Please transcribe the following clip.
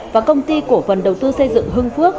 và công ty cổ phần đầu tư xây dựng hưng phước